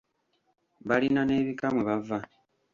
Balina n’ebika mwe bava.